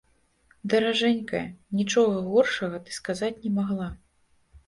Даражэнькая, нічога горшага ты сказаць не магла.